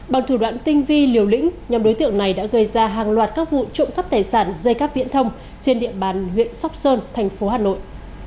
bằng thủ đoạn tinh vi liều lĩnh nhóm đối tượng này đã gây ra hàng loạt các vụ trộm cắp tài sản dây cáp viễn thông trên địa bàn huyện sóc sơn thành phố hà nội